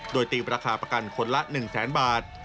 โดยตีราคาประกันคนละ๑แสนบาท